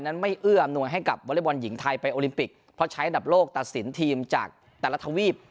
นั้นไม่เอื้ออำนวยให้กับวอเล็กบอลหญิงไทยไปโอลิมปิกเพราะใช้อันดับโลกตัดสินทีมจากแต่ละทวีป